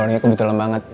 soalnya kebetulan banget